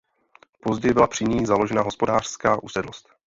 Později byla při ní založena hospodářská usedlost.